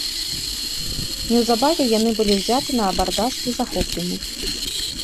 Неўзабаве яны былі ўзяты на абардаж і захоплены.